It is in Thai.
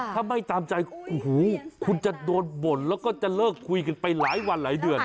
ถ้าไม่ตามใจโอ้โหคุณจะโดนบ่นแล้วก็จะเลิกคุยกันไปหลายวันหลายเดือน